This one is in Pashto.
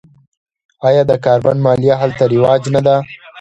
آیا د کاربن مالیه هلته رواج نه ده؟